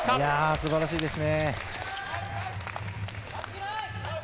素晴らしいですね。